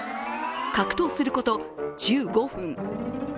格闘すること１５分。